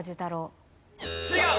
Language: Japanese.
違う！